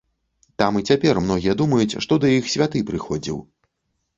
Там і цяпер многія думаюць, што да іх святы прыходзіў.